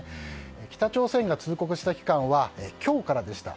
北朝鮮が通告した期間は今日からでした。